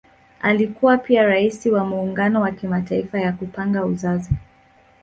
Alikuwa pia Rais wa Muungano ya Kimataifa ya Kupanga Uzazi.